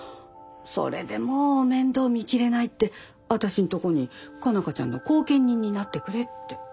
それでもう面倒見切れないって私んとこに佳奈花ちゃんの後見人になってくれって。